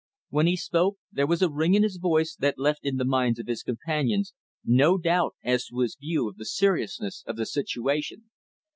When he spoke, there was a ring in his voice that left in the minds of his companions no doubt as to his view of the seriousness of the situation.